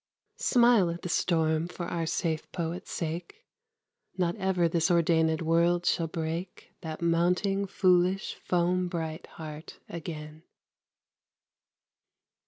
Smile at the storm for our safe poet's sake! Not ever this ordainèd world shall break That mounting, foolish, foam bright heart again.